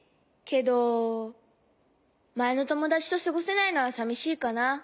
けどまえのともだちとすごせないのはさみしいかな。